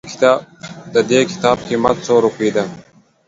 ددي کتاب قيمت څو روپئ ده